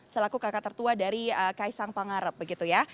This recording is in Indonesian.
selaku kakak tertua dari kaisang pangarep begitu ya